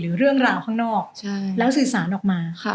เรื่องราวข้างนอกแล้วสื่อสารออกมา